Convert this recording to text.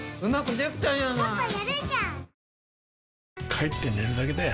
帰って寝るだけだよ